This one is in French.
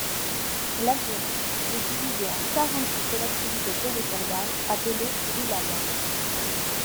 L'Algérie est divisée en quarante-huit collectivités territoriales appelées wilayas.